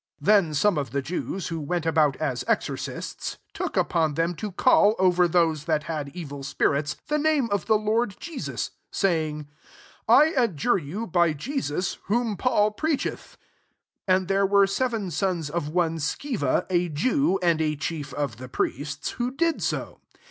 13 Then some of the Jews who went about a« exorcists, took upon them to call, over those that had evil spirits, the name of the Lord Jesus, saying, " I adjure you, by Jesus, whom Paul preachcth." 14 And there were seven sons of one Sceva a Jew, and a chief of the priests, who did so.